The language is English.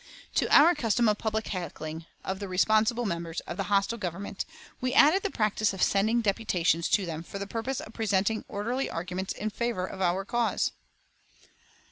To our custom of public heckling of the responsible members of the hostile Government we added the practice of sending deputations to them for the purpose of presenting orderly arguments in favour of our cause.